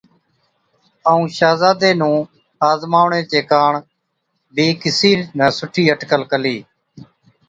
ائُون شهزادي نُون آزماوَڻي چي ڪاڻ بِي ڪِسِي نہ سُٺِي اٽڪل ڪلِي۔